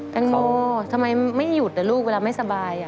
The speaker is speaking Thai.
แตงโมทำไมไม่หยุดนะลูกเวลาไม่สบาย